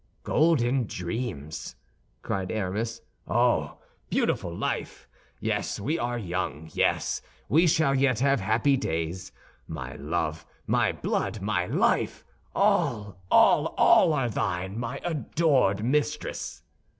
"Golden dreams!" cried Aramis. "Oh, beautiful life! Yes, we are young; yes, we shall yet have happy days! My love, my blood, my life! all, all, all, are thine, my adored mistress!"